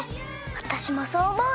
わたしもそうおもう！